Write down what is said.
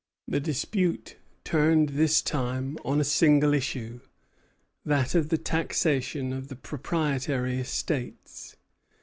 The dispute turned this time on a single issue, that of the taxation of the proprietary estates.